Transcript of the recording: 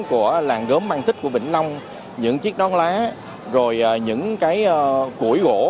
của làng gớm mang thích của vĩnh long những chiếc nón lá rồi những cái củi gỗ